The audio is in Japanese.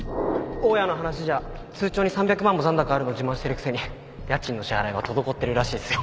大家の話じゃ通帳に３００万も残高あるの自慢してるくせに家賃の支払いは滞ってるらしいっすよ